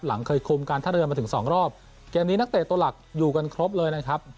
เคยคุมการท่าเรือมาถึงสองรอบเกมนี้นักเตะตัวหลักอยู่กันครบเลยนะครับ